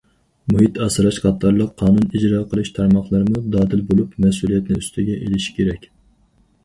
مۇھىت ئاسراش قاتارلىق قانۇن ئىجرا قىلىش تارماقلىرىمۇ دادىل بولۇپ، مەسئۇلىيەتنى ئۈستىگە ئېلىشى كېرەك.